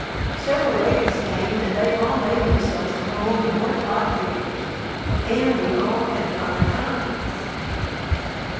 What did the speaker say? Several ladies came and they all made themselves at home and worked like beavers, and we all had a fine time....